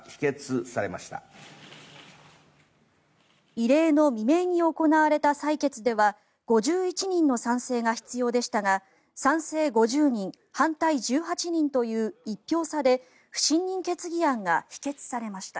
異例の未明に行われた採決では５１人の賛成が必要でしたが賛成５０人、反対１８人という１票差で不信任決議案が否決されました。